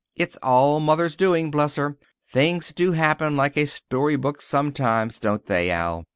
It's all Mother's doing, bless her! Things do happen like a storybook sometimes, don't they, Al?